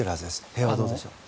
平和、どうでしょう。